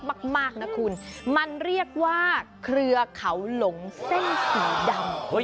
มากมากนะคุณมันเรียกว่าเครือเขาหลงเส้นสีดำ